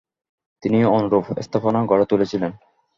তিনি অনুরূপ স্থাপনা গড়ে তুলেছিলেন।